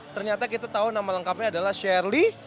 ternyata kita tahu nama lengkapnya adalah shirley